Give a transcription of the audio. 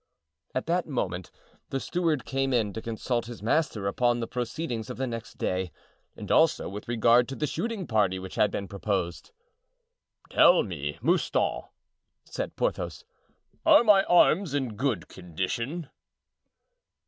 At that moment the steward came in to consult his master upon the proceedings of the next day and also with regard to the shooting party which had been proposed. "Tell me, Mouston," said Porthos, "are my arms in good condition?"